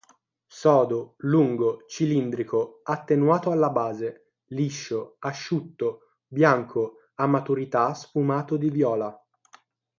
Sodo, lungo, cilindrico, attenuato alla base, liscio, asciutto, bianco, a maturità sfumato di viola.